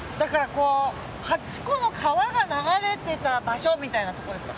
８個の川が流れてた場所みたいなことですか。